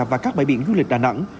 và các bãi biển du lịch đà nẵng